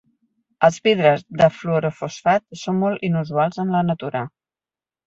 Els vidres de fluorofosfat són molt inusuals en la natura.